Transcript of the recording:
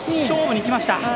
勝負にきました。